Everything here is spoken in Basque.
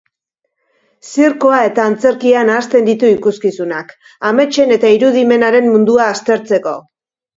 Zirkoa eta antzerkia nahasten ditu ikuskizunak, ametsen eta irudimenaren mundua aztertzeko.